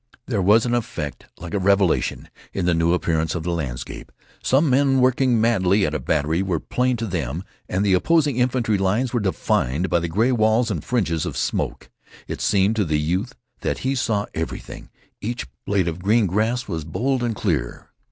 There was an effect like a revelation in the new appearance of the landscape. Some men working madly at a battery were plain to them, and the opposing infantry's lines were defined by the gray walls and fringes of smoke. It seemed to the youth that he saw everything. Each blade of the green grass was bold and clear.